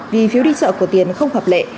vì phiếu đi chợ của tiền không hợp lệ